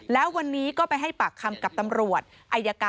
แล้ววันนี้ก็ไปให้ปากคำกับตำรวจ